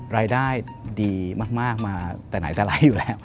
รายได้ดีมากมาแต่ไหนแต่ไร้อยู่แล้ว